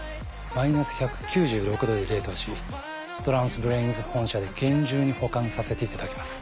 マイナス１９６℃で冷凍しトランスブレインズ本社で厳重に保管させていただきます。